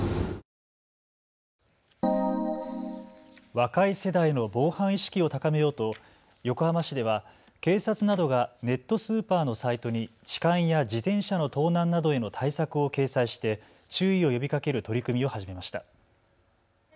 若い世代の防犯意識を高めようと横浜市では警察などがネットスーパーのサイトに痴漢や自転車の盗難などへの対策を掲載して注意を呼びかける取り組みを始めました。